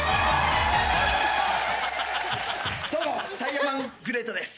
どうもサイヤマングレートです。